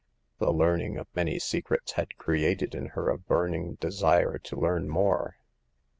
The learning of many secrets had created in her a burning de sire to learn more.